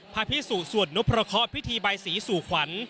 พิสุสวดนพพระเคาะพิธีใบสีสู่ขวัญ